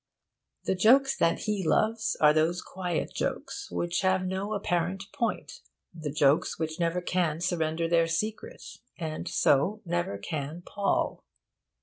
The jokes that he loves are those quiet jokes which have no apparent point the jokes which never can surrender their secret, and so can never pall.